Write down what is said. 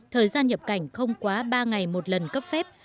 thời gian nhập cảnh không quá ba ngày một lần cấp phép